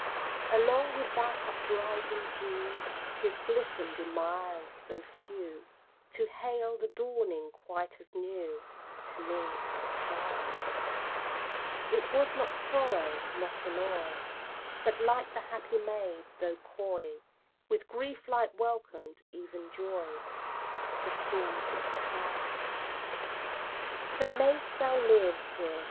Along with that uprising dew Tears glisten'd in my eyes, though few, To hail a dawning quite as new To me, as Time: It was not sorrow not annoy But like a happy maid, though coy, With grief like welcome even Joy Forestalls its prime. So mayst thou live, dear!